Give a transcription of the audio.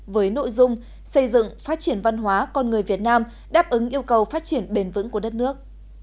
với nội dung xây dựng phát triển văn hóa con người việt nam đáp ứng yêu cầu phát triển bền vững của đất nước